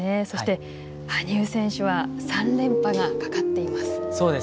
そして、羽生選手は３連覇がかかっています。